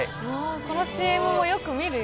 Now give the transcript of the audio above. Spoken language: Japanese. このＣＭもよく見るよ。